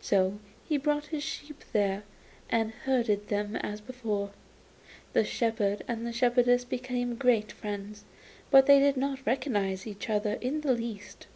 So he brought his sheep there, and herded them as before. The shepherd and shepherdess became great friends, but they did not recognise each other in the least.